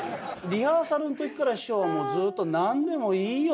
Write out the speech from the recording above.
リハーサルの時から師匠はもうずっと「何でもいいよ」と。